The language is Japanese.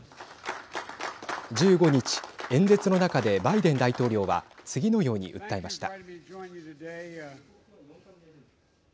１５日、演説の中でバイデン大統領は次のように訴えました。